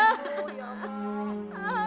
oh ya allah